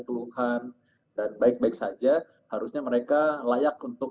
keluhan dan baik baik saja harusnya mereka layak untuk